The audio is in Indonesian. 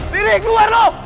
riri keluar loh